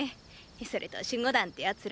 それと守護団って奴ら。